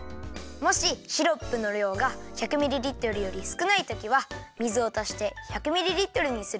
もしシロップのりょうが１００ミリリットルよりすくないときは水をたして１００ミリリットルにするよ。